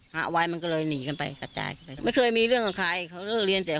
หาไว้มันก็เลยหนีกันไปกระจายกันไปไม่เคยมีเรื่องของใครเขาก็เลิกเรียนเสร็จ